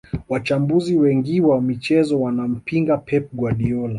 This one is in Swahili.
wachambuzi wengiwa michezo wanampinga pep guardiola